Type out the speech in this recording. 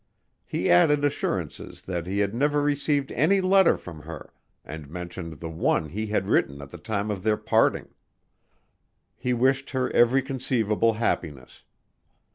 He added assurances that he had never received any letter from her and mentioned the one he had written at the time of their parting. He wished her every conceivable happiness.